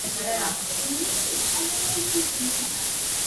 ka kwa wajumbe wa ccm hapo jana